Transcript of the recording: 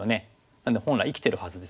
なので本来生きてるはずですよね。